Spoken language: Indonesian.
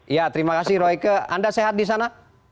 ya terima kasih royke anda sehat di sana